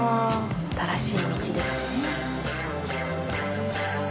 新しい道ですね。